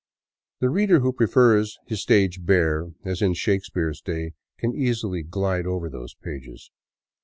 The reader who prefers his stage bare, as in Shakespeare's day, can easily glide over those pages.